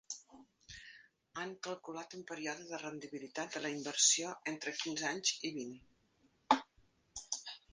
Han calculat un període de rendibilitat de la inversió entre quinze anys i vint.